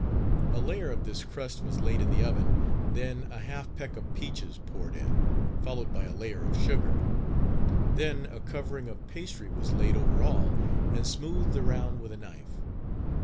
A layer of this crust was laid in the oven, then a half peck of peaches poured in, followed by a layer of sugar; then a covering of pastry was laid over all and smoothed around with a knife.